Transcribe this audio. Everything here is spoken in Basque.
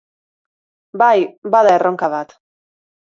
Bai, bada erronka bat.